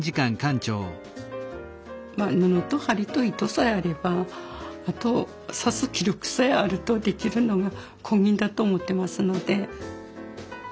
まあ布と針と糸さえあればあと刺す気力さえあるとできるのがこぎんだと思ってますので。